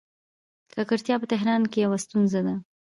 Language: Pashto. ککړتیا په تهران کې یوه ستونزه ده.